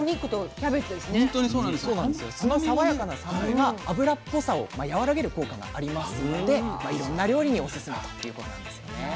酢のさわやかな酸味が脂っぽさをやわらげる効果がありますのでいろんな料理におすすめということなんですよね。